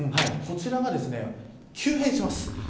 こちらが急変します。